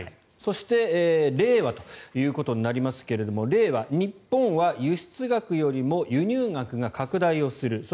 そして令和ということになりますが令和、日本は輸出額よりも輸入額が拡大する。